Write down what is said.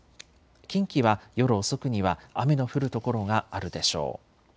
近畿は夜遅くには雨の降る所があるでしょう。